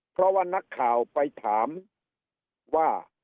เพราะว่านักข่าวไปถามว่า